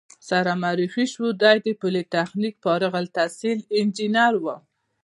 سره معرفي شوو، دی د پولتخنیک فارغ التحصیل انجینر و.